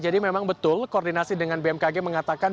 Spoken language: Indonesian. jadi memang betul koordinasi dengan bmkg mengatakan